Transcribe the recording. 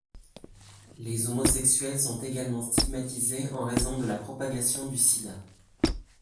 Les homosexuels sont également stigmatisés en raison de la propagation du Sida.